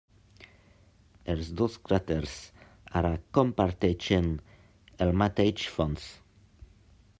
Els dos cràters ara comparteixen el mateix fons.